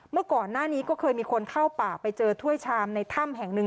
เมื่อก่อนหน้านี้ก็เคยมีคนเข้าป่าไปเจอถ้วยชามในถ้ำแห่งหนึ่ง